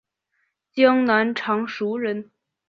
江南常熟人。